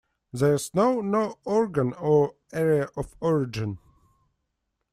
There is no known organ or area of origin.